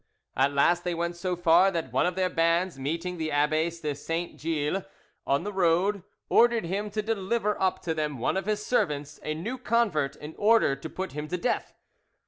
At last they went so far that one of their bands meeting the Abbe de Saint Gilles on the road, ordered him to deliver up to them one of his servants, a new convert, in order to put him to death.